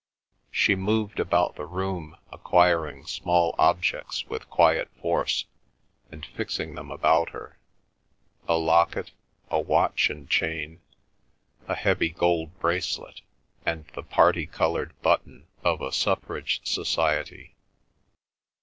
She moved about the room acquiring small objects with quiet force, and fixing them about her—a locket, a watch and chain, a heavy gold bracelet, and the parti coloured button of a suffrage society.